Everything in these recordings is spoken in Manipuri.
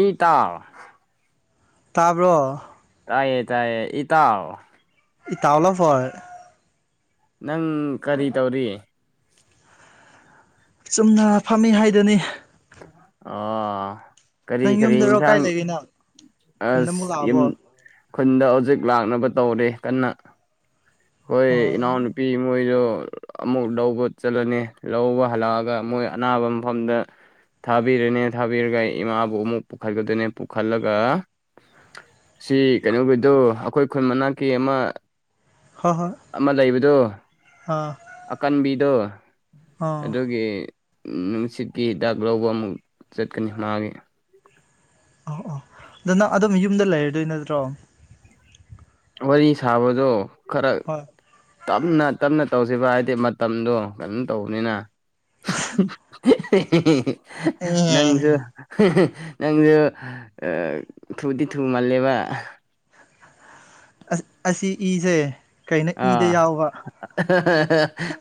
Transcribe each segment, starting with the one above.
ꯏ ꯇꯥꯎ ꯇꯥꯕ꯭ꯔꯣ ꯇꯥꯏꯌꯦ ꯇꯥꯏꯌꯦ ꯏꯇꯥꯎ ꯏꯇꯥꯎ ꯂꯐꯣꯏ ꯅꯪ ꯀꯔꯤ ꯇꯧꯔꯤ ꯆꯨꯝꯅ ꯐꯝꯃꯤ ꯍꯥꯏꯗꯨꯅꯤ ꯑꯣ ꯀꯔꯤ ꯅꯪ ꯀꯔꯤ ꯌꯨꯝꯗꯔꯣ ꯀꯥꯏ ꯏꯟꯁꯥꯡ ꯂꯩꯔꯤꯅꯣ ꯈꯨꯟꯗ ꯑꯁ ꯑꯃꯨꯛ ꯌꯨꯝ ꯂꯥꯛꯑꯕꯣ ꯈꯨꯟꯗ ꯍꯧꯖꯤꯛ ꯂꯥꯛꯅꯕ ꯇꯧꯔꯦ ꯀꯟꯅ ꯍꯣꯏ ꯏꯅꯥꯎ ꯑꯣ ꯅꯨꯄꯤ ꯃꯣꯏꯗꯣ ꯑꯃꯨꯛ ꯂꯧꯕ ꯆꯠꯂꯅꯤ ꯂꯧꯕ ꯍꯜꯂꯛꯑꯒ ꯃꯣꯏ ꯑꯅꯥꯕ ꯃꯐꯝꯗꯥ ꯊꯥꯕꯤꯔꯅꯦ ꯊꯥꯕꯤꯔꯒ ꯏꯃꯥꯕꯨ ꯑꯃꯨꯛ ꯄꯨꯈꯠꯀꯗꯣꯏꯅꯦ ꯄꯨꯈꯠꯂꯒ ꯁꯤ ꯀꯩꯅꯣꯒꯤꯗꯨ ꯑꯩꯈꯣꯏ ꯈꯨꯟ ꯃꯅꯥꯛꯀꯤ ꯑꯃ ꯍꯣꯏ ꯍꯣꯏ ꯑꯃ ꯂꯩꯕꯗꯣ ꯑꯥ ꯑꯀꯟꯕꯤꯗꯣ ꯑꯥ ꯑꯗꯨꯒꯤ ꯅꯨꯡꯁꯤꯠꯀꯤ ꯍꯤꯗꯥꯛ ꯂꯧꯕ ꯑꯃꯨꯛ ꯆꯠꯀꯅꯤ ꯃꯥꯒꯤ ꯑꯣ ꯑꯣ ꯑꯗꯨ ꯅꯪ ꯑꯗꯨꯝ ꯌꯨꯝꯗ ꯂꯩꯔꯗꯣꯏ ꯅꯠꯇ꯭ꯔꯣ ꯋꯥꯔꯤ ꯁꯥꯕꯗꯣ ꯈꯔ ꯍꯣꯏ ꯇꯞꯅ ꯇꯞꯅ ꯇꯧꯁꯤꯕ ꯍꯥꯏꯗꯤ ꯃꯇꯝꯗꯣ ꯀꯩꯅꯣꯝ ꯇꯧꯕꯅꯤꯅ ꯑꯦ ꯅꯪꯁꯨ [unintelligible] ꯅꯪꯁꯨ ꯊꯧꯗꯤ ꯊꯨꯃꯜꯂꯦꯕ ꯑꯁ ꯑꯁꯤ ꯏꯖꯦ ꯑꯥ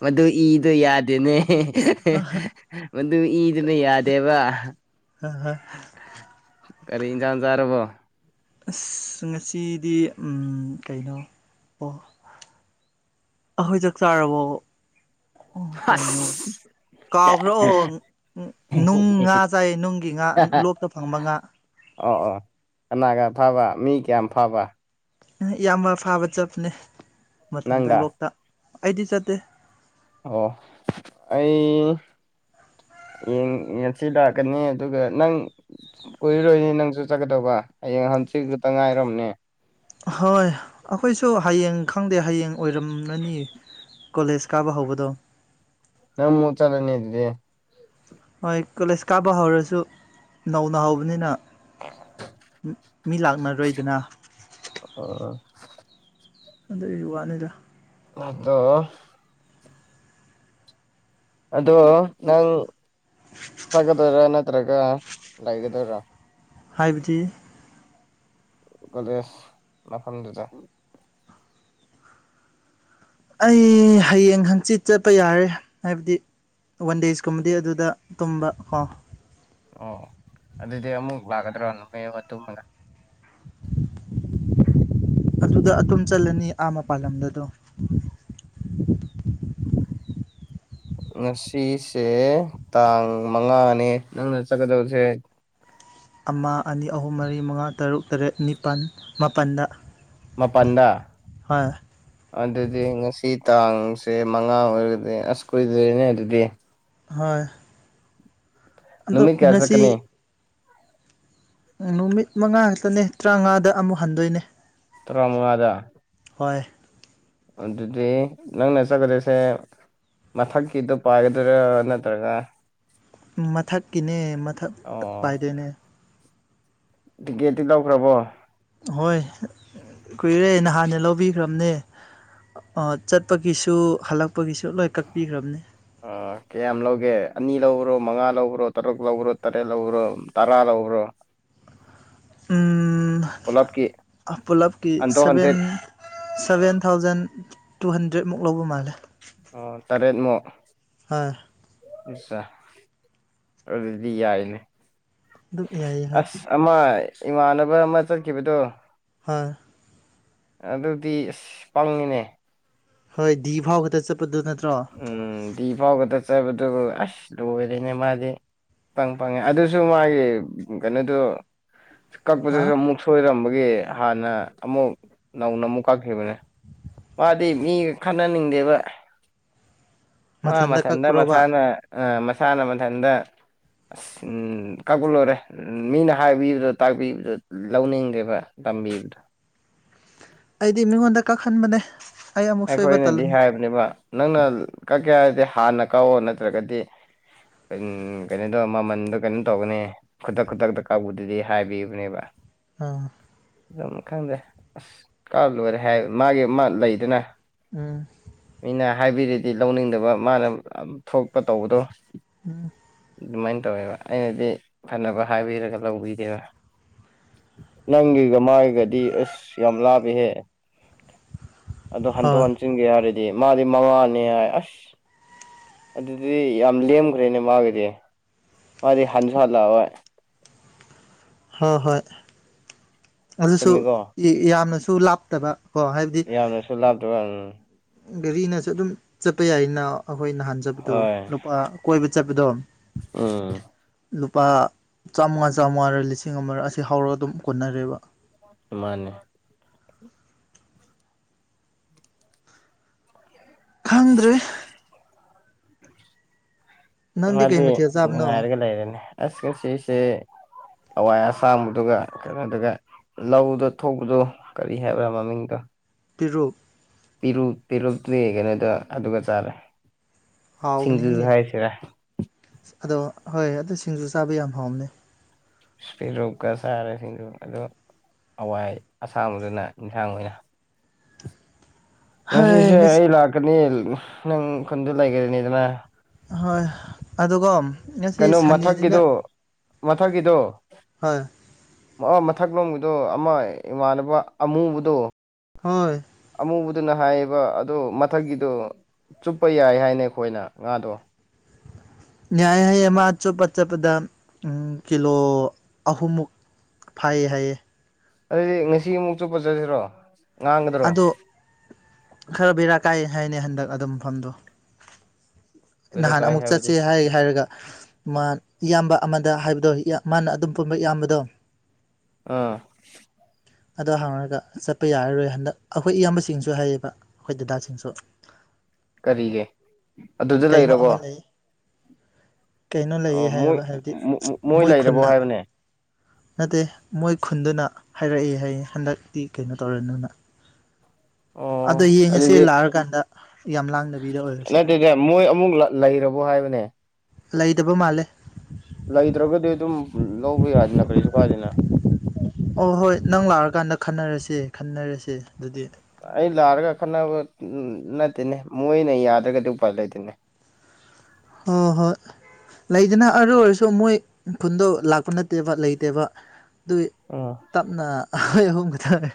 ꯃꯗꯨ ꯏꯗꯣ ꯌꯥꯗꯦꯅꯦ ꯃꯗꯨ ꯏꯗꯨꯅ ꯌꯥꯗꯦꯕ [unintelligible] ꯀꯔꯤ ꯏꯟꯖꯥꯡ ꯆꯥꯔꯕꯣ ꯑꯁ ꯉꯁꯤꯗꯤ ꯀꯩꯅꯣ ꯑꯣ ꯑꯩꯈꯣꯏ ꯆꯥꯛ ꯆꯥꯔꯕꯣ ꯀꯩꯅꯣ ꯑꯁ ꯀꯥꯎꯒ꯭ꯔꯣ ꯑꯣ ꯅꯨꯡ ꯉꯥ ꯆꯥꯏꯌꯦ ꯅꯨꯡꯒꯤ ꯉꯥ ꯂꯣꯛꯇ ꯐꯪꯕ ꯉꯥ ꯑꯣ ꯑꯣ ꯀꯅꯥꯒ ꯐꯕ ꯃꯤ ꯀꯌꯥꯝ ꯐꯕ ꯏꯌꯥꯝꯕ ꯐꯥꯕ ꯆꯠꯄꯅꯦ ꯃꯊꯟꯇꯥ ꯅꯪꯒ ꯂꯣꯛꯇ ꯑꯩꯗꯤ ꯆꯠꯇꯦ ꯑꯣ ꯑꯩ ꯎꯝ ꯉꯁꯤ ꯂꯥꯛꯀꯅꯤ ꯑꯗꯨꯒ ꯅꯪ ꯀꯨꯏꯔꯣꯏꯅꯤ ꯅꯪꯁꯨ ꯆꯠꯀꯗꯧꯕ ꯍꯌꯦꯡ ꯍꯪꯆꯤ ꯈꯛꯇ ꯉꯥꯏꯔꯝꯅꯤ ꯍꯣꯏ ꯑꯩꯈꯣꯏꯁꯨ ꯍꯌꯦꯡ ꯈꯪꯗꯦ ꯍꯌꯦꯡ ꯑꯣꯏꯔꯝꯂꯅꯤ ꯀꯣꯂꯦꯖ ꯀꯥꯕ ꯍꯧꯕꯗꯣ ꯅꯪ ꯃꯨꯛ ꯆꯠꯂꯥꯅꯤ ꯑꯗꯨꯗꯤ ꯍꯣꯏ ꯀꯣꯂꯦꯖ ꯀꯥꯕ ꯍꯧꯔꯁꯨ ꯅꯧꯅ ꯍꯧꯕꯅꯤꯅ ꯃꯤ ꯂꯥꯛꯅꯔꯣꯏꯗꯅ ꯑꯥ ꯑꯗꯨꯒꯤ ꯋꯥꯅꯤꯗ ꯑꯗꯣ ꯑꯗꯣ ꯅꯪ ꯆꯠꯀꯗꯣꯏꯔꯥ ꯅꯠꯇ꯭ꯔꯒ ꯂꯩꯒꯗꯣꯏꯔꯥ ꯍꯥꯏꯕꯗꯤ ꯀ‌ꯣꯂꯦꯖ ꯃꯐꯝꯗꯨꯗ ꯑꯩ ꯍꯌꯦꯡ ꯍꯪꯆꯤꯠ ꯆꯠꯄ ꯌꯥꯔꯦ ꯍꯥꯏꯕꯗꯤ ꯋꯥꯟ ꯗꯦꯖꯀꯨꯝꯕꯗꯤ ꯑꯗꯨꯗ ꯇꯨꯝꯕ ꯀꯣ ꯑꯣ ꯑꯗꯨꯗꯤ ꯑꯃꯨꯛ ꯂꯥꯛꯀꯗ꯭ꯔꯣ ꯅꯨꯃꯤꯠ ꯑꯃ ꯇꯨꯝꯃꯒ ꯑꯗꯨꯗ ꯑꯗꯨꯨꯝ ꯆꯠꯂꯅꯤ ꯑꯥ ꯃꯄꯥꯜꯂꯝꯗꯗꯣ ꯉꯁꯤꯁꯦ ꯇꯥꯡ ꯃꯉꯥꯅꯦ ꯅꯪꯅ ꯆꯠꯀꯗꯕꯁꯦ ꯑꯃ ꯑꯅꯤ ꯑꯍꯨꯝ ꯃꯔꯤ ꯃꯉꯥ ꯇꯔꯨꯛ ꯇꯔꯦꯠ ꯅꯤꯄꯥꯟ ꯃꯥꯄꯟꯗ ꯃꯄꯟꯗ ꯑꯗꯨꯗꯤ ꯉꯁꯤ ꯇꯥꯡꯁꯦ ꯃꯉꯥ ꯑꯣꯏꯔꯒꯗꯤ ꯑꯁ ꯀꯨꯏꯗꯔꯤꯅꯦ ꯑꯗꯨꯗꯤ ꯍꯣꯏ ꯑꯗꯣ ꯅꯨꯃꯤꯠ ꯀꯌꯥ ꯉꯁꯤ ꯆꯠꯀꯅꯤ ꯅꯨꯃꯤꯠ ꯃꯉꯥ ꯈꯛꯇꯅꯦ ꯇꯔꯥꯎꯉꯥꯗ ꯑꯃꯨꯛ ꯍꯟꯗꯣꯏꯅꯦ ꯇꯔꯃꯉꯥꯗ ꯍꯣꯏ ꯑꯗꯨꯗꯤ ꯅꯪꯅ ꯆꯠꯀꯗ‌ꯣꯏꯁꯦ ꯃꯊꯛꯀꯤꯗꯣ ꯄꯥꯏꯒꯗꯣꯏꯔꯥ ꯅꯠꯇ꯭ꯔꯒ ꯃꯊꯛꯀꯤꯅꯦ ꯃꯊꯛꯇ ꯑꯣ ꯄꯥꯏꯗꯣꯏꯅꯦ ꯇꯤꯛꯀꯦꯠꯇꯤ ꯂꯧꯈ꯭ꯔꯕꯣ ꯍꯣꯏ ꯀꯨꯏꯔꯦ ꯅꯍꯥꯟꯅ ꯂꯧꯕꯤꯈ꯭ꯔꯕꯅꯦ ꯆꯠꯄꯒꯤꯁꯨ ꯍꯜꯂꯛꯄꯒꯤꯁꯨ ꯂꯣꯏ ꯀꯛꯄꯤꯈ꯭ꯔꯕꯅꯤ ꯀꯌꯥꯝ ꯂꯧꯒꯦ ꯑꯅꯤ ꯂꯧꯕꯔꯣ ꯃꯉꯥ ꯂꯧꯕ꯭ꯔꯣ ꯇꯔꯨꯛ ꯂꯧꯕ꯭ꯔꯣ ꯇꯔꯦꯠ ꯂꯧꯕ꯭ꯔꯣ ꯇꯔꯥ ꯂꯧꯕ꯭ꯔꯣ ꯎꯝ ꯄꯨꯂꯞꯀꯤ ꯄꯨꯂꯞꯀꯤ ꯑꯟꯗꯣ seven hundred seven thousand two ꯍꯟꯗ꯭ꯔꯦꯠꯃꯨꯛ ꯂꯧꯕ ꯃꯥꯜꯂꯦ ꯑꯣ ꯇꯔꯦꯠꯃꯨꯛ ꯍꯣꯏ ꯑꯆꯥꯥ ꯑꯗꯨꯗꯤ ꯌꯥꯏꯅꯦ ꯑꯗꯨꯝ ꯌꯥꯏꯌꯦ ꯍꯥ ꯑꯁ ꯑꯃ ꯏꯃꯥꯟꯅꯕ ꯑꯃ ꯆꯠꯈꯤꯕꯗꯣ ꯍ ꯑꯗꯨꯗꯤ ꯑꯁ ꯄꯪꯉꯤꯅꯦ ꯍꯣꯏ ꯗꯤ ꯐꯥꯎ ꯈꯛꯇ ꯆꯠꯄꯗꯨ ꯅꯠꯇ꯭ꯔꯣ ꯎꯝ ꯗꯤ ꯐꯥꯎ ꯈꯛꯇ ꯆꯠꯄꯗꯨ ꯑꯁ ꯂꯣꯏꯔꯦꯅꯦ ꯃꯥꯗꯤ ꯏꯄꯪ ꯄꯪꯉꯦ ꯑꯗꯨꯁꯨ ꯃꯥꯏꯒꯤ ꯀꯩꯅꯣꯗꯨ ꯍꯥ ꯀꯛꯄꯗꯨꯁꯨ ꯑꯃꯨꯛ ꯁꯣꯏꯔꯝꯕꯒꯤ ꯍꯥꯟꯅ ꯑꯃꯨꯛ ꯅꯧꯅ ꯑꯃꯨꯛ ꯀꯛꯈꯤꯕꯅꯦ ꯃꯥꯗꯤ ꯃꯤꯒ ꯈꯟꯅꯅꯤꯡꯗꯦꯕ ꯃꯥ ꯃꯊꯟꯇ ꯃꯁꯥꯅ ꯑꯥ ꯃꯁꯥꯅ ꯃꯊꯟꯇ ꯑꯁ ꯎꯝ ꯀꯛꯄ ꯂꯣꯏꯔꯦ ꯃꯤꯅ ꯍꯥꯏꯕꯤꯕꯗꯣ ꯇꯥꯛꯄꯤꯕꯗꯣ ꯂꯧꯅꯤꯡꯗꯦꯕ ꯇꯝꯕꯤꯕꯗꯣ ꯑꯩꯗꯤ ꯃꯤꯉꯣꯟꯗ ꯀꯛꯍꯟꯕꯅꯦ ꯑꯩ ꯑꯃꯨꯛ ꯁꯣꯏꯕ ꯑꯩꯈꯣꯏꯅꯗꯤ ꯇꯜꯂꯅꯤ ꯍꯥꯏꯕꯅꯦꯕ ꯅꯪꯅ ꯀꯛꯀꯦ ꯍꯥꯏꯗꯤ ꯍꯥꯟꯅ ꯀꯛꯑꯣ ꯅꯠꯇ꯭ꯔꯒꯗꯤ ꯀꯩꯟ ꯀꯩꯅꯣꯗꯣ ꯃꯃꯟꯗꯣ ꯀꯩꯅꯣ ꯇꯧꯒꯅꯤ ꯈꯨꯗꯛ ꯈꯨꯗꯛꯇ ꯀꯛꯄꯗꯨꯗꯤ ꯍꯥꯏꯕꯤꯕꯅꯦꯕ ꯑꯥ ꯑꯗꯨꯝ ꯈꯪꯗꯦ ꯑꯁ ꯀꯥꯛꯑ ꯂꯣꯏꯔꯦ ꯍꯥꯏ ꯃꯥꯒꯤ ꯑꯃꯥ ꯂꯩꯗꯅ ꯎꯝ ꯃꯤꯅ ꯍꯥꯏꯕꯤꯔꯗꯤ ꯂꯧꯅꯤꯡꯗꯕ ꯃꯥꯅ ꯊꯣꯛꯄ ꯇꯧꯕꯗꯣ ꯎꯝ ꯑꯗꯨꯃꯥꯏꯅ ꯇꯧꯋꯦꯕ ꯑꯩꯅꯗꯤ ꯐꯅꯕ ꯍꯥꯏꯕꯤꯔꯒ ꯂꯧꯕꯤꯗꯦꯕ ꯅꯪꯒꯤꯒ ꯃꯥꯒꯤꯒꯗꯤ ꯑꯁ ꯌꯥꯝ ꯂꯥꯞꯄꯤꯍꯦ ꯑꯗꯣ ꯍꯟꯗꯣꯛ ꯍꯣꯏ ꯍꯟꯆꯤꯟꯒꯦ ꯍꯥꯏꯔꯗꯤ ꯃꯥꯗꯤ ꯃꯉꯥꯅꯤ ꯍꯥꯏ ꯑꯁ ꯑꯗꯨꯗꯤ ꯌꯥꯝ ꯂꯦꯝꯈ꯭ꯔꯦꯅꯦ ꯃꯥꯒꯤꯗꯤ ꯃꯥꯗꯤ ꯍꯟꯁꯨ ꯍꯜꯂꯛꯑꯔꯣꯏ ꯍꯣ ꯍꯣꯏ ꯑꯗꯨꯁꯨ ꯆꯨꯝꯃꯤꯀꯣ ꯌꯥꯝꯅꯁꯨ ꯂꯥꯞꯇꯕ ꯀꯣ ꯍꯥꯏꯕꯗꯤ ꯌꯥꯝꯅꯁꯨ ꯂꯥꯞꯇꯕ ꯎꯝ ꯒꯥꯔꯤꯅꯁꯨ ꯑꯗꯨꯝ ꯆꯠꯄ ꯌꯥꯏꯅ ꯑꯩꯈꯣꯏ ꯅꯍꯥꯟ ꯆꯠꯄꯗꯣ ꯍꯣꯏ ꯂꯨꯄꯥ ꯀꯣꯏꯕ ꯆꯠꯄꯗꯣ ꯎꯝ ꯂꯨꯄꯥ ꯆꯥꯝꯃꯉꯥ ꯆꯥꯝꯃꯉꯥꯔ ꯂꯤꯁꯤꯡ ꯑꯃꯔ ꯑꯁꯤ ꯍꯧꯔ ꯑꯗꯨꯝ ꯀꯣꯟꯅꯔꯦꯕ ꯃꯥꯅꯦ ꯈꯪꯗ꯭ꯔꯦ ꯅꯪꯗꯤ ꯀꯩ ꯉꯥꯗꯨ ꯃꯊꯦꯜ ꯆꯥꯕꯅꯣ ꯉꯥꯏꯔꯒ ꯂꯩꯔꯅꯤ ꯑꯁ ꯉꯥꯁꯤꯁꯦ ꯍꯥꯋꯥꯏ ꯑꯁꯥꯡꯕꯤꯗꯨꯒꯥ ꯀꯩꯅꯣꯗꯨꯒ ꯂꯧꯗ ꯊꯣꯛꯄꯗꯣ ꯀꯔꯤ ꯍꯥꯏꯕ꯭ꯔꯥ ꯃꯃꯤꯡꯗꯣ ꯄꯤꯔꯨꯛ ꯄꯤꯔꯨꯛ ꯄꯤꯔꯨꯛꯇꯤ ꯀꯩꯅꯣꯗ ꯑꯗꯨꯒ ꯆꯥꯔꯦ ꯁꯤꯡꯖꯨ ꯍꯥꯎꯕꯅꯤꯍꯦ ꯍꯥꯏꯁꯤꯔꯥ ꯑꯗꯣ ꯍꯣꯏ ꯑꯗꯨ ꯁꯤꯡꯖꯨ ꯆꯥꯕ ꯌꯥꯝ ꯍꯥꯎꯕꯅꯦ ꯏꯁ ꯄꯤꯔꯨꯛꯀ ꯆꯔꯦ ꯁꯤꯡꯖꯨ ꯑꯗꯨꯒ ꯍꯋꯥꯏ ꯑꯁꯥꯡꯕꯗꯨꯅ ꯏꯟꯁꯥꯡ ꯑꯣꯏꯅ ꯍꯣꯏ ꯉꯁꯤꯁꯦ ꯉꯁꯤ ꯑꯩ ꯂꯥꯛꯀꯅꯤ ꯅꯪ ꯈꯨꯟꯗ ꯂꯩꯒꯗꯅꯤꯗꯅ ꯍꯣꯏ ꯑꯗꯨꯒꯣꯝ ꯀꯩꯅꯣ ꯃꯊꯛꯀꯤꯗꯣ ꯃꯊꯛꯀꯤꯗꯣ ꯍꯣꯏ ꯃꯊꯛ ꯂꯣꯝꯒꯤꯗꯣ ꯑꯃ ꯏꯃꯥꯟꯅꯕ ꯑꯃꯨꯕꯗꯣ ꯍꯣꯏ ꯑꯃꯨꯕꯗꯨꯅ ꯍꯥꯏꯌꯦꯕ ꯑꯗꯨ ꯃꯊꯛꯀꯤꯗꯣ ꯆꯨꯞꯄ ꯌꯥꯏ ꯍꯥꯏꯅꯦ ꯈꯣꯏꯅ ꯉꯥꯗꯣ ꯌꯥꯏ ꯍꯥꯏꯌꯦ ꯃꯥ ꯆꯨꯄ ꯆꯠꯄꯗ ꯎꯝ ꯀꯤꯂꯣ ꯑꯍꯨꯝꯃꯨꯛ ꯐꯥꯏꯌꯦ ꯍꯥꯏꯌꯦ ꯑꯗꯨꯗꯤ ꯉꯁꯤ ꯑꯃꯨꯛ ꯆꯨꯞꯄꯥ ꯆꯠꯁꯤꯔꯣ ꯉꯥꯡꯒ ꯑꯗꯣ ꯈꯔ ꯕꯦꯔꯥ ꯀꯥꯏ ꯍꯥꯏꯅꯦ ꯍꯟꯗꯛ ꯑꯗꯨ ꯃꯐꯝꯗꯣ ꯅꯍꯥꯟ ꯀꯣꯏꯔꯛꯀꯥꯏ ꯑꯃꯨꯛ ꯍꯥꯏꯕꯗꯤ ꯆꯠꯁꯦ ꯍꯥꯏ ꯍꯥꯏꯔꯒ ꯃꯥ ꯏꯌꯥꯝꯕ ꯑꯃꯗ ꯍꯥꯏꯕꯗꯣ ꯃꯥꯅ ꯑꯗꯨꯝ ꯄꯨꯟꯕ ꯏꯌꯥꯝꯕꯗꯣ ꯑꯥ ꯑꯗꯣ ꯍꯪꯉꯒ ꯆꯠꯄ ꯌꯥꯔꯔꯣꯏ ꯍꯟꯗꯛ ꯑꯩꯈꯣꯏ ꯏꯌꯥꯝꯕꯁꯤꯡꯁꯨ ꯍꯥꯏꯌꯦꯕ ꯑꯩꯈꯣꯏ ꯗꯗꯥꯁꯤꯡꯁꯨ ꯀꯔꯤꯒꯤ ꯑꯗꯨꯗ ꯀꯩꯅꯣ ꯂꯩꯔꯕꯣ ꯑꯃ ꯂꯩ ꯀꯩꯅꯣ ꯑꯣ ꯂꯩꯌꯦ ꯃꯣꯏ ꯍꯥꯏꯕ ꯍꯥꯏꯕꯗꯤ ꯃꯣꯏ ꯂꯩꯔꯕꯣ ꯈꯨꯟꯅ ꯍꯥꯏꯕꯅꯦ ꯅꯠꯇꯦ ꯃꯣꯏ ꯈꯨꯟꯗꯨꯅ ꯍꯥꯏꯔꯛꯏ ꯍꯥꯏꯌꯦ ꯍꯟꯗꯛꯇꯤ ꯀꯩꯅꯣ ꯇꯧꯔꯅꯨꯅ ꯑꯗꯣ ꯌꯦꯡꯉꯁꯦ ꯑꯗꯨꯗꯤ ꯂꯥꯛꯑꯀꯥꯟꯗ ꯌꯥꯝ ꯂꯥꯡ ꯅꯠꯇꯦꯗ ꯃꯣꯏ ꯑꯃꯨꯛ ꯂꯩꯔꯕꯣ ꯍꯥꯏꯕꯅꯦ ꯂꯩꯇꯕ ꯃꯥꯜꯂꯦ ꯂꯩꯇ꯭ꯔꯒꯗꯤ ꯑꯗꯨꯝ ꯂꯧꯕ ꯌꯥꯅꯤꯅ ꯀꯔꯤꯁꯨ ꯀꯥꯏꯗꯦꯅ ꯑꯣ ꯍꯣꯏ ꯅꯪ ꯂꯥꯛꯑꯀꯥꯟꯗ ꯈꯟꯅꯔꯁꯦ ꯈꯟꯅꯔꯁꯦ ꯑꯗꯨꯗꯤ ꯑꯩ ꯂꯥꯛꯔꯒ ꯈꯠꯅꯕ ꯅꯠꯇꯦꯅꯦ ꯃꯣꯏꯅ ꯌꯥꯗ꯭ꯔꯒꯗꯤ ꯎꯄꯥꯏ ꯂꯩꯇꯦꯅꯦ ꯍꯣ ꯍꯣꯏ ꯂꯩꯗꯅ ꯑꯔꯨ ꯑꯣꯏꯔꯁꯨ ꯃꯣꯏ ꯈꯨꯟꯗꯣ ꯂꯥꯛꯄ ꯅꯠꯇꯦꯕ ꯂꯩꯇꯦꯕ ꯗꯨꯏ ꯑꯥ ꯇꯞꯅ ꯑꯈꯣꯏ ꯑꯍꯨꯝ ꯈꯛꯇꯪ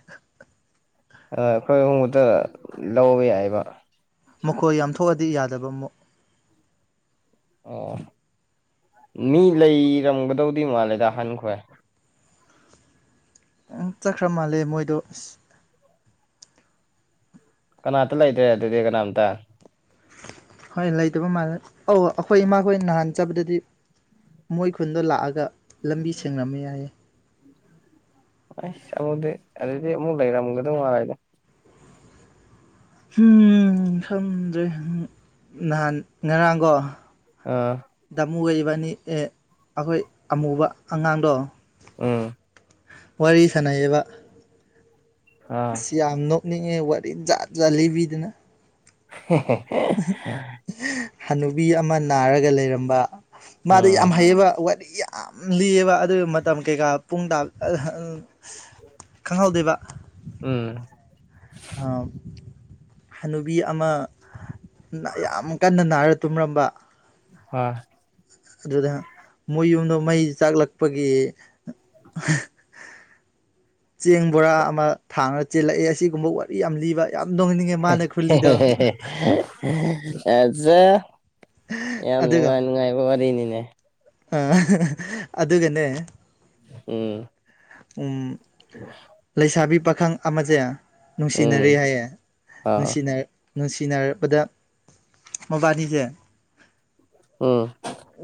ꯑꯥ ꯑꯈꯣꯏ ꯑꯍꯨꯝ ꯈꯇꯥ ꯂꯧꯕ ꯌꯥꯏꯕ ꯃꯈꯣꯏ ꯌꯥꯝ ꯊꯣꯛ ꯑꯗꯤ ꯌꯥꯗꯕ ꯑꯃꯨꯛ ꯃꯤ ꯂꯩꯔꯝꯒꯗꯧꯗꯤ ꯃꯥꯜꯂꯦꯗ ꯍꯟꯈꯣꯏ ꯆꯠꯈ꯭ꯔ ꯃꯥꯜꯂꯦ ꯃꯣꯏꯗꯣ ꯑꯁ ꯀꯅꯥꯝꯇ ꯂꯩꯇ꯭ꯔꯦ ꯑꯗꯨꯗꯤ ꯀꯅꯥꯝꯇ ꯍꯣꯏ ꯂꯩꯇꯕ ꯃꯥꯜꯂꯦ ꯑꯧ ꯑꯩꯈꯣꯏ ꯏꯃꯥꯈꯣꯏ ꯅꯍꯥꯟ ꯆꯠꯕꯗꯗꯤ ꯃꯣꯏ ꯈꯨꯟꯗ ꯂꯥꯛꯑꯒ ꯂꯝꯕꯤ ꯁꯦꯡꯂꯝꯃꯦ ꯍꯥꯏ ꯑꯁ ꯑꯃꯨꯗꯤ ꯑꯗꯨꯗꯤ ꯑꯃꯨꯛ ꯂꯩꯔꯝꯒꯗꯧ ꯃꯥꯗ ꯎꯝ ꯈꯪꯗ꯭ꯔꯦ ꯅꯍꯥꯟ ꯉꯔꯥꯡꯀꯣ ꯑꯥ ꯗꯃꯨꯒ ꯑꯅꯤꯖꯦ ꯑꯩꯈꯣꯏ ꯑꯃꯨꯕ ꯑꯉꯥꯡꯗꯣ ꯎꯝ ꯋꯥꯔꯤ ꯁꯥꯟꯅꯩꯌꯦꯕ ꯑꯥ ꯌꯥꯝ ꯅꯣꯛꯅꯤꯡꯉꯦ ꯋꯥꯔꯤ ꯖꯥꯠ ꯖꯥꯠ ꯂꯤꯕꯤꯗꯅ [unintelligible] ꯍꯅꯨꯕꯤ ꯑꯃ ꯅꯥꯔꯒ ꯂꯩꯔꯝꯕ ꯃꯥꯗ ꯎꯝ ꯌꯥꯝ ꯍꯩꯌꯦꯕ ꯋꯥꯔꯤ ꯌꯥꯝ ꯂꯤꯑꯕ ꯑꯗꯨꯒꯤ ꯃꯇꯝ ꯀꯩꯀꯥ ꯄꯨꯡꯇ ꯈꯪꯍꯧꯗꯦꯕ ꯎꯝ ꯑꯥ ꯍꯅꯨꯕꯤ ꯑꯃ ꯌꯥꯝ ꯀꯟꯅ ꯅꯥꯔ ꯇꯨꯝꯔꯝꯕ [unintelligible] ꯑꯗꯨꯗ ꯃꯣꯏ ꯌꯨꯝꯗ ꯃꯩ ꯆꯥꯛꯂꯛꯄꯒꯤ [unintelligible] ꯆꯦꯡ ꯕꯣꯔꯥ ꯑꯃ ꯊꯥꯡꯅ ꯆꯦꯜꯂꯛꯑꯦ ꯑꯁꯤꯒꯨꯝꯕ ꯋꯥꯔꯤ ꯌꯥꯝ ꯂꯤꯕ ꯌꯥꯝ ꯅꯣꯡꯅꯤꯡꯉꯦ ꯃꯥꯅ ꯈꯨꯔꯂꯤꯗꯣ ꯑꯖꯥ ꯌꯥꯝ ꯑꯗꯨꯒ ꯅꯨꯡꯉꯥꯏ ꯅꯨꯡꯉꯥꯏꯕ ꯋꯥꯔꯤꯅꯤꯅꯦ ꯑꯗꯨꯒꯅꯦ ꯎꯝ ꯎꯝ ꯂꯩꯁꯥꯕꯤ ꯄꯥꯈꯪ ꯑꯃꯁꯦ ꯅꯨꯡꯁꯤꯅꯔꯦ ꯎꯝ ꯍꯥꯏꯌꯦ ꯑꯥ ꯅꯨꯡꯁꯤꯅꯔ ꯅꯨꯡꯁꯤꯅꯔꯛꯄꯗ ꯃꯕꯥꯅꯤꯁꯦ ꯎꯝ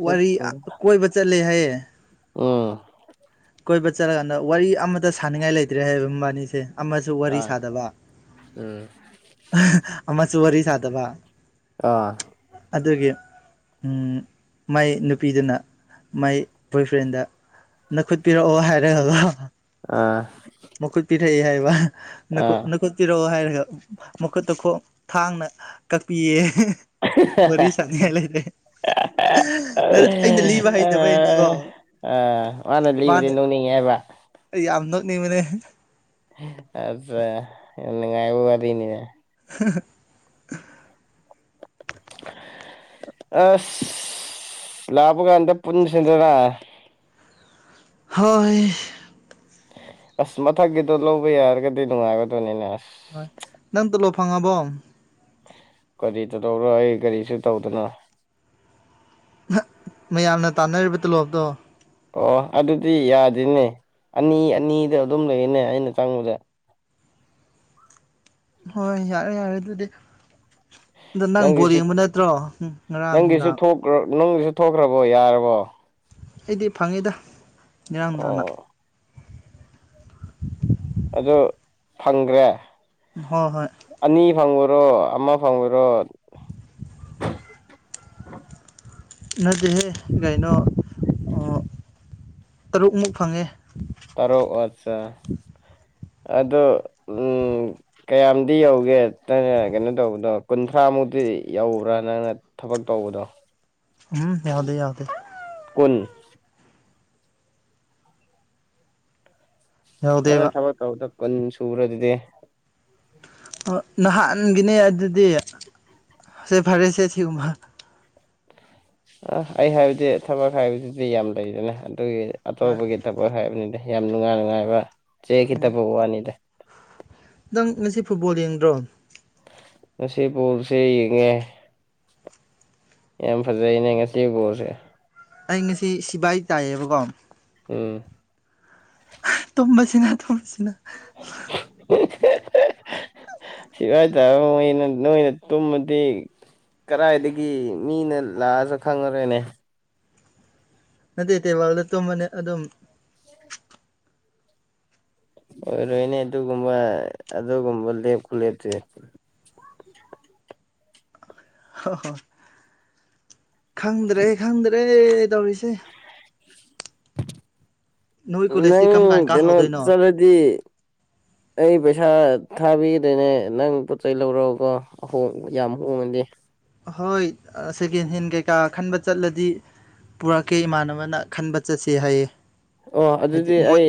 ꯋꯥꯔꯤ ꯀꯣꯏꯕ ꯆꯠꯂꯦ ꯍꯥꯏꯌꯦ ꯎꯝ ꯀꯣꯏꯕ ꯆꯠꯔꯀꯥꯟꯗ ꯋꯥꯔꯤ ꯑꯃꯗ ꯁꯥꯅꯤꯡꯉꯥꯏ ꯂꯩꯇ꯭ꯔꯦ ꯍꯥꯏꯕ ꯃꯕꯥꯅꯤꯁꯦ ꯑꯃꯁꯨ ꯋꯥꯔꯤ ꯑꯥ ꯁꯥꯗꯕ ꯎꯝ ꯑꯃꯁꯨ ꯋꯥꯔꯤ ꯁꯥꯗꯕ ꯑꯥ ꯑꯗꯨꯒꯤ ꯃꯥꯏ ꯅꯨꯄꯤꯗꯨꯅ ꯃꯥꯏ ꯕꯣꯏꯐ꯭ꯔꯦꯟꯗ ꯅꯈꯨꯠ ꯄꯤꯔꯛꯑꯣ ꯍꯥꯏꯔꯒ ꯀꯣ ꯑꯥ ꯃꯈꯨꯠ ꯄꯤꯔꯛꯏ ꯍꯥꯏꯕ ꯑꯥ ꯅꯈꯨꯠ ꯄꯤꯔꯛꯑꯣ ꯍꯥꯏꯔꯒ ꯃꯈꯨꯠꯇ ꯈꯣꯡ ꯊꯥꯡꯅ ꯀꯛꯄꯤꯌꯦ ꯋꯔꯤ ꯁꯥꯅꯤꯡꯉꯥꯏ ꯂꯩꯇꯦ ꯑ [unintelligible] ꯑꯩꯅ ꯂꯤꯕ ꯍꯩꯇꯕꯩꯅꯤꯀꯣ [unintelligible] ꯃꯥꯅ ꯂꯤꯕꯗꯤ ꯅꯣꯛꯅꯤꯡꯉꯦ ꯍꯥꯏꯕ ꯑꯩ ꯌꯥꯝ ꯅꯣꯅꯤꯡꯕꯅꯦ ꯑꯠꯆꯥ ꯅꯨꯡꯉꯥꯏꯕ ꯋꯥꯔꯤꯅꯤꯅꯦ ꯍꯥ [unintelligible] ꯑ ꯂꯥꯛꯄ ꯀꯥꯟꯗ ꯄꯨꯟꯁꯤꯗꯅ ꯍꯣꯏ ꯑꯁ ꯃꯊꯛꯀꯤꯗꯣ ꯂꯧꯕ ꯌꯥꯔꯒꯗꯤ ꯅꯨꯡꯉꯥꯏꯒꯗꯣꯏꯅꯤꯅꯦ ꯑꯁ ꯍ ꯅꯪ ꯇꯂꯣ ꯐꯉꯕꯣ ꯀꯔꯤ ꯇꯗꯧꯔꯣ ꯑꯩ ꯒꯥꯔꯤꯁꯨ ꯇꯧꯗꯅ ꯃꯌꯥꯝꯅ ꯇꯥꯟꯅꯔꯤꯕ ꯇꯣꯂꯣꯞꯇꯣ ꯑꯣ ꯑꯗꯨꯗꯤ ꯌꯥꯗꯦꯅꯦ ꯑꯅꯤ ꯑꯅꯤꯗ ꯑꯗꯨꯝ ꯂꯩꯅꯦ ꯑꯩꯅ ꯆꯪꯕꯗ ꯍꯣꯏ ꯌꯥꯔꯦ ꯌꯥꯔꯦ ꯑꯗꯨꯗꯤ ꯑꯗ ꯅꯪ ꯕꯣ ꯅꯪꯒꯤꯁꯨ ꯌꯦꯡꯕ ꯅꯠꯇ꯭ꯔꯣ ꯉꯔꯥꯡꯗ ꯅꯨꯡꯒꯤꯁꯨ ꯊꯣꯛꯈ꯭ꯔꯕꯣ ꯌꯥꯔꯕꯣ ꯑꯩꯗꯤ ꯐꯪꯉꯤꯗ ꯏꯔꯥꯡ ꯅꯥꯟꯅ ꯑꯣ ꯑꯗꯨ ꯐꯪꯈ꯭ꯔꯦ ꯍꯣꯏ ꯍꯣꯏ ꯑꯅꯤ ꯐꯪꯕꯨꯔꯣ ꯑꯃ ꯐꯪꯕꯨꯔꯣ ꯅꯗꯤꯍꯦ ꯀꯩꯅꯣ ꯇꯔꯨꯛꯃꯨꯛ ꯐꯪꯉꯦ ꯇꯔꯛ ꯑꯠꯆꯥꯆꯥ ꯑꯗꯣ ꯎꯝ ꯀꯌꯥꯝꯗꯤ ꯌꯧꯒꯦ ꯅꯪꯅ ꯀꯩꯅꯣ ꯇꯧꯕꯗꯣ ꯀꯨꯟꯊ꯭ꯔꯥꯃꯨꯛꯇꯤ ꯌꯧꯕ꯭ꯔꯥ ꯅꯪꯅ ꯊꯕꯛ ꯇꯧꯕꯗꯣ ꯎꯝ ꯌꯥꯎꯗꯦ ꯌꯥꯎꯗꯦ ꯀꯨꯟ ꯅꯪ ꯌꯥꯎꯗꯦꯕ ꯅ ꯊꯕꯛ ꯇꯧꯕꯗ ꯀꯟ ꯁꯨꯔꯗꯤꯗꯤ ꯅꯍꯥꯟꯒꯤꯅꯦ ꯑꯗꯨꯗꯤ ꯁꯦ ꯐꯔꯦꯁꯦ ꯁꯤꯒꯨꯝꯕ ꯑ ꯑꯩ ꯍꯥꯏꯕꯗꯤ ꯊꯕꯛ ꯍꯥꯏꯕꯗꯨꯗꯤ ꯌꯥꯝ ꯂꯩꯗꯅ ꯑꯗꯨꯒꯤ ꯍꯣꯏ ꯑꯇꯣꯞꯄꯒꯤ ꯊꯕꯛ ꯍꯣꯏ ꯍꯥꯏꯕꯅꯤꯗ ꯌꯥꯝ ꯅꯨꯡꯉꯥꯏ ꯅꯨꯡꯉꯥꯏꯕ ꯎꯝ ꯆꯦꯈꯤꯗꯕ ꯋꯥꯅꯤꯗ ꯅꯪ ꯉꯁꯤ ꯐꯨꯠꯕꯣꯜ ꯌꯦꯡꯗ꯭ꯔꯣ ꯉ ꯄꯣꯜꯁꯦ ꯌꯦꯡꯉꯦ ꯌꯥꯝ ꯐꯖꯩꯅꯦ ꯉꯁꯤ ꯕꯁꯦ ꯑꯩ ꯉꯁꯤ ꯁꯤꯕꯥꯏ ꯇꯥꯏꯌꯦꯕꯀꯣ ꯎꯝ ꯇꯨꯝꯕꯁꯤꯅ ꯇꯨꯝꯕꯁꯤꯅ [unintelligible] ꯁꯤꯒꯏꯇꯥꯔ ꯃꯣꯏꯅ ꯅꯣꯏꯅ ꯇꯨꯝꯃꯗꯤ ꯀꯗꯥꯏꯗꯒꯤ ꯃꯤꯅ ꯂꯥꯛꯑꯁꯨ ꯈꯪꯉꯔꯣꯏꯅꯦ ꯅꯠꯇꯦ ꯇꯦꯕꯥꯜꯗ ꯇꯨꯝꯕꯅꯦ ꯑꯗꯨꯝ ꯑꯣꯏꯔꯣꯍꯤꯅꯦ ꯑꯗꯨꯒꯨꯝꯕ ꯑꯗꯨꯒꯨꯝꯕ ꯗꯦꯞ ꯈꯂꯦꯦ ꯍꯣꯏ ꯍꯣꯏ ꯈꯪꯗ꯭ꯔꯦ ꯈꯪꯗ꯭ꯔꯦ ꯇꯧꯔꯤꯁꯦ ꯅꯣꯏ ꯀꯣꯂꯦꯖꯇꯤ ꯅꯪ ꯀꯔꯝ ꯀꯥꯟ ꯀꯥ ꯀꯩꯅꯣ ꯍꯧꯗꯣꯏꯅꯣ ꯆꯠꯂꯗꯤ ꯑꯩ ꯄꯩꯁꯥ ꯊꯥꯕꯤꯗꯣꯏꯅꯦ ꯅꯪ ꯄꯣꯠ ꯆꯩ ꯂꯧꯔꯛꯎꯀꯣ ꯑꯍꯣ ꯌꯥꯝ ꯍꯣꯡꯃꯗꯦ ꯍꯣꯏ ꯁꯦꯀꯦꯟ ꯍꯦꯟ ꯀꯩꯀꯥ ꯈꯟꯕ ꯆꯠꯂꯗꯤ ꯄꯨꯔꯛꯀꯦ ꯏꯃꯥꯟꯅꯕꯅ ꯈꯟꯕ ꯆꯠꯁꯤ ꯍꯥꯏꯌꯦ ꯑꯣ ꯍꯥꯏꯗꯤ ꯑꯗꯨꯗꯤ ꯃꯣꯏ ꯑꯩ